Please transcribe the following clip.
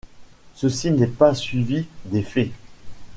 Ceci n'est pas suivi d'effet.